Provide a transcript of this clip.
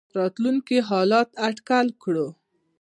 راتلونکي حالات اټکل کړو.